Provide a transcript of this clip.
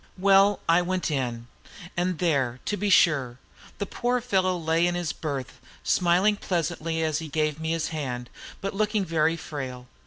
Well, I went in, and there, to be sure, the poor fellow lay in his berth, smiling pleasantly as he gave me his hand, but looking very frail.